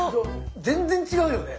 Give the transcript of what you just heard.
全然違うよね。